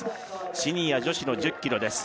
シニア女子の１０ｋｍです